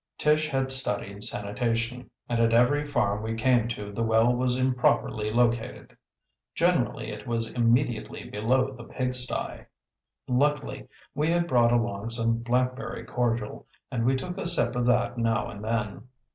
Tish had studied sanitation, and at every farm we came to the well was improperly located. Generally it was immediately below the pigsty. Luckily we had brought along some blackberry cordial, and we took a sip of that now and then.